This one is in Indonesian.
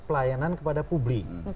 pelayanan kepada publik